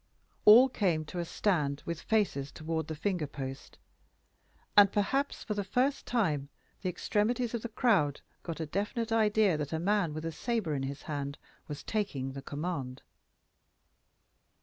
All came to a stand with faces toward the finger post, and perhaps for the first time the extremities of the crowd got a definite idea that a man with a sabre in his hand was taking the command.